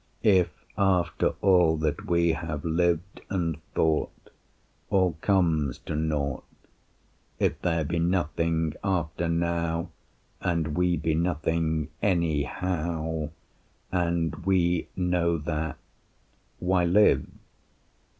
If after all that we have lived and thought, All comes to Nought, If there be nothing after Now, And we be nothing anyhow, And we know that, why live?